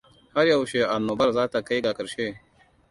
Har yaushe annobar zata kai ga karshe?